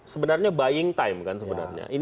sebenarnya buying time kan sebenarnya